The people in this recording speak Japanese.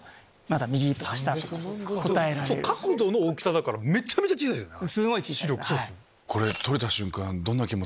角度の大きさだからめちゃめちゃ小さいですよね。